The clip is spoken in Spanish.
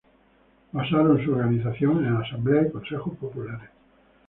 Basaron su organización en asambleas y consejos populares.